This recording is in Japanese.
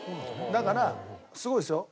だからすごいですよ。